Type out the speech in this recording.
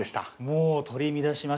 もう取り乱しましたね。